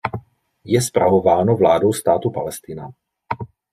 Je spravováno vládou Státu Palestina.